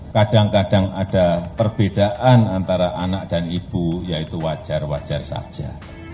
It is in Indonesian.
kadang kadang ada perbedaan antara anak dan ibu ya itu wajar wajar saja